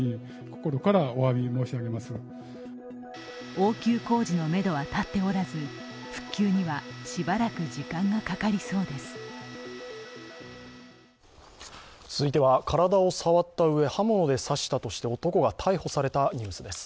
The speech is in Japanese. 応急工事のめどは立っておらず復旧にはしばらく時間がかかりそうです。